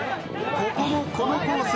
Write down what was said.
ここもこのコース